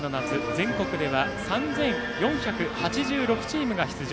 全国では３４８６チームが出場。